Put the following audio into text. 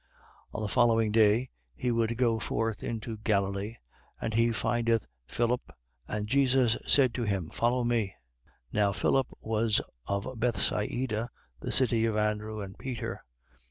1:43. On the following day, he would go forth into Galilee: and he findeth Philip, And Jesus saith to him: follow me. 1:44. Now Philip was of Bethsaida, the city of Andrew and Peter.